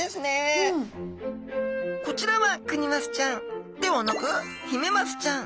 こちらはクニマスちゃんではなくヒメマスちゃん。